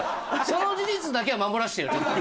その事実だけは守らせてよちょっと。